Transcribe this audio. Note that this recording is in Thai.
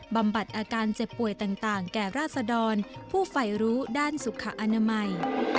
บำบัดอาการเจ็บป่วยต่างแก่ราษดรผู้ไฟรู้ด้านสุขอนามัย